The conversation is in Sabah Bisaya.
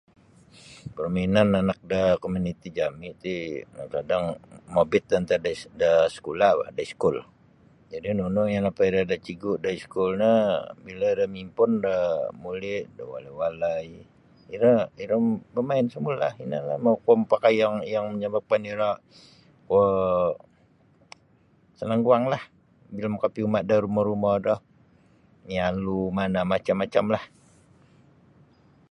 Permainan anak da komuniti jami ti kadang-kadang mobit da antad da is sekolah bah da iskul jadi nunu yang napaira da cigu da iskul no bila iro mimpun da muli da walai-walai iro iro bamain semula inolah kuo mapakai yang manyababkan iro kuo sanang guanglah bila makapiyuma da rumo do mialu mana macam-macamlah.